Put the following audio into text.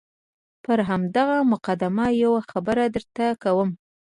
پر همدغه مقدمه یوه خبره درته کوم.